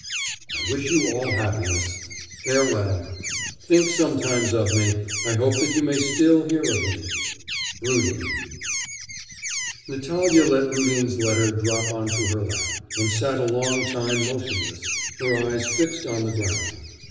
'I wish you all happiness. Farewell! Think sometimes of me. I hope that you may still hear of me. 'RUDIN.' Natalya let Rudin's letter drop on to her lap, and sat a long time motionless, her eyes fixed on the ground.